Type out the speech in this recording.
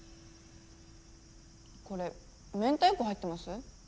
これ明太子入ってます？